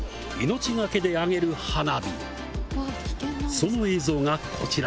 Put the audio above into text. その映像がこちら。